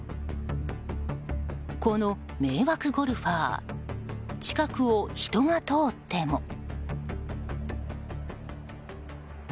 この迷惑ゴルファー近くを人が通っても。